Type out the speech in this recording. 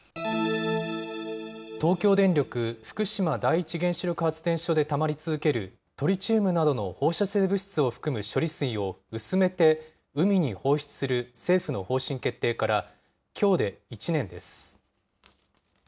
東京電力福島第一原子力発電所でたまり続けるトリチウムなどの放射性物質を含む処理水を、薄めて海に放出する政府の方針決定から、きょうで１年です。